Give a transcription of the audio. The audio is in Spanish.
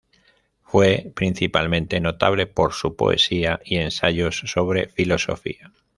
Fue principalmente notable por su poesía y ensayos sobre filosofía.